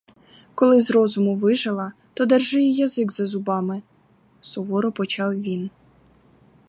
Коли з розуму вижила, то держи і язик за зубами, — суворо почав він.